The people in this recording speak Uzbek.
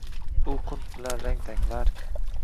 U qunt bilan rang tanlar